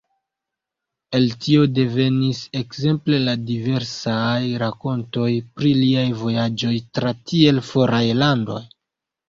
El tio devenis, ekzemple, la diversaj rakontoj pri liaj vojaĝoj tra tiel foraj landoj.